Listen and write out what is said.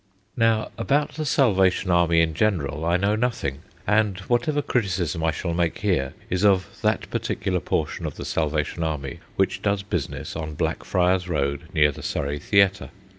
Now, about the Salvation Army in general I know nothing, and whatever criticism I shall make here is of that particular portion of the Salvation Army which does business on Blackfriars Road near the Surrey Theatre.